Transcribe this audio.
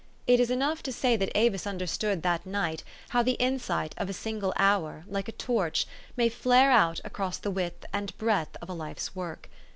It is enough to say that Avis understood that night how the insight of a single hour, like a torch, may flare out across the width and breadth of a life's work.